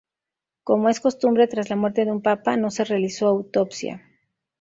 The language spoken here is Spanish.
Como es costumbre tras la muerte de un papa, no se realizó autopsia.